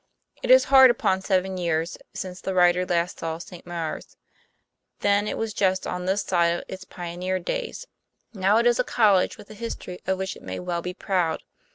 It is hard upon seven years since the writer last saw " St. Maure's. " Then it was just on this side of its pioneer days. Now it is a college with a history of which it may well be proud.